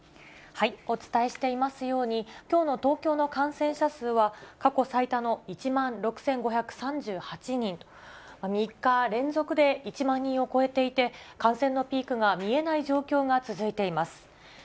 お伝えしていますように、きょうの東京の感染者数は、過去最多の１万６５３８人と、３日連続で１万人を超えていて、感染のピークが見えない状況が続いています。